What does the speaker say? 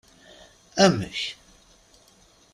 Amek!